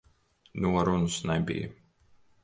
Norunas nebija.